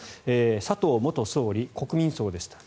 佐藤元総理、国民葬でした。